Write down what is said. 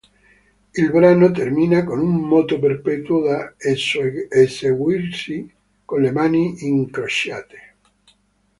Il brano termina con un moto perpetuo da eseguirsi con le mani incrociate.